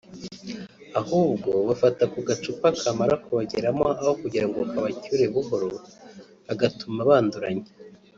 ahubwo bafata ku gacupa kamara kubageramo aho kugirango kabacyure buhoro kagatuma banduranya